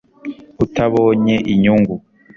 utabonye inyungu